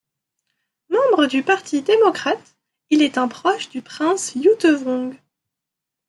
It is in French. Membre du Parti démocrate, il est un proche du prince Youtevong.